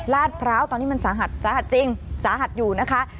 พร้าวตอนนี้มันสาหัสสาหัสจริงสาหัสอยู่นะคะ